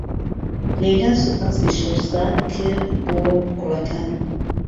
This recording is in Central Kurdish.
لەیلا سوپاسی شێرزاد کرد بۆ گوڵەکان.